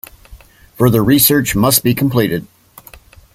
Further research must be completed.